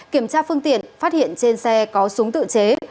kiểm tra phương tiện phát hiện trên xe có súng tự chế